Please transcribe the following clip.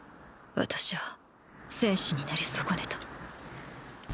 私は戦士になり損ねた。